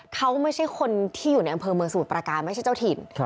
เขาไม่ใช่คนที่อยู่ในอำเภอเมืองสมุทรประการไม่ใช่เจ้าถิ่น